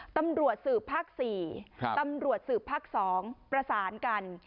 ตำรวจสืบภาค๔ตำรวจสืบภาค๒ประสานกัน